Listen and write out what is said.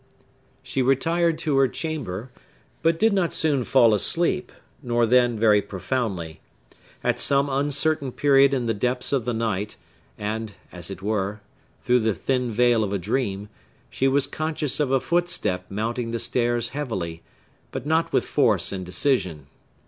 She retired to her chamber, but did not soon fall asleep, nor then very profoundly. At some uncertain period in the depths of night, and, as it were, through the thin veil of a dream, she was conscious of a footstep mounting the stairs heavily, but not with force and decision.